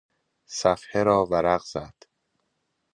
صفحه را ورق زد.